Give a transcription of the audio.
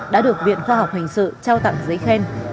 đã được viện khoa học hình sự trao tặng giấy khen